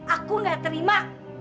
aku gak terima